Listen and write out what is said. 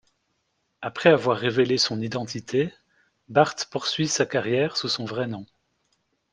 Après avoir révélé son identité, Barthe poursuit sa carrière sous son vrai nom.